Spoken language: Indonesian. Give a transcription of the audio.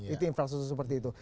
itu infrastruktur seperti itu